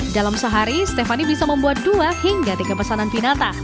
dalam sehari stefany bisa membuat dua hingga tiga pesanan pinata